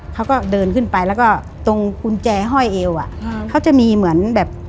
เขาก็เดินขึ้นไปแล้วก็ตรงกุญแจห้อยเอวอ่ะเขาจะมีเหมือนแบบ